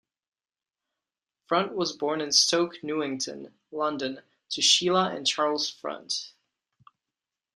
Front was born in Stoke Newington, London, to Sheila and Charles Front.